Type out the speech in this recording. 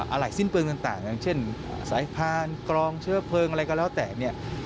อะไรสิ้นเปลืองต่างอย่างเช่นสายพานกรองเชื้อเพลิงอะไรก็แล้วแต่เนี่ย